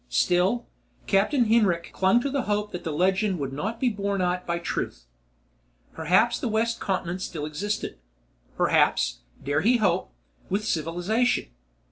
Still, Captain Hinrik clung to the hope that the legend would not be borne out by truth. Perhaps the west continent still existed; perhaps, dare he hope, with civilization.